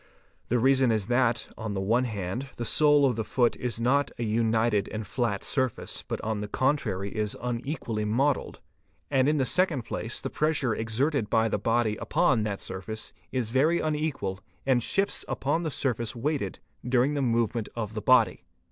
The reason is that, on the one hand, the q sole of the foot is not a united and flat surface, but on the contrary is un i equally modelled; and in the second place the pressure exerted by the | body upon that surface is very unequal and shifts upon the surface | weighted during the movement of the body.